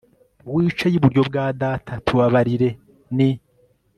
wicaye iburyo bwa data tubabarire, ni